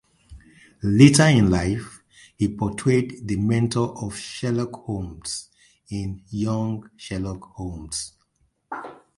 Later in life, he portrayed the mentor of Sherlock Holmes in "Young Sherlock Holmes".